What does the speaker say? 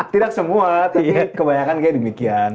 tidak semua tapi kebanyakan kayak demikian